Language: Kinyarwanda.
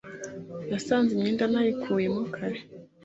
Yasanze imyenda nayikuyemo kare